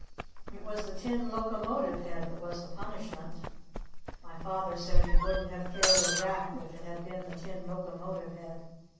It was the Tin Locomotive Head that was the punishment! My Father said he wouldn't have cared a rap if it had been the Tin Locomotive Head!